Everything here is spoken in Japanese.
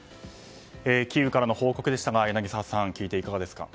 キーウからの報告でしたが柳澤さん聞いていかがですか？